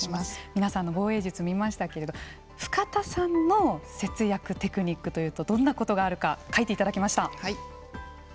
皆さんの防衛術を見ましたけど深田さんの節約テクニックというとどんなことがあるか書いていただきました。